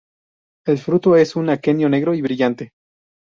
El fruto es un aquenio negro y brillante.